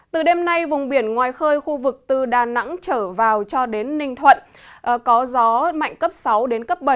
từ đêm nay vùng biển ngoài khơi khu vực từ đà nẵng trở vào cho đến ninh thuận có gió mạnh cấp sáu đến cấp bảy